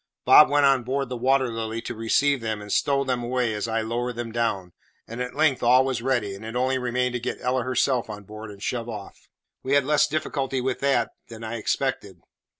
Bob went on board the Water Lily to receive them and stow them away as I lowered them down, and at length all was ready, and it only remained to get Ella herself on board and shove off. We had less difficulty with her than I expected.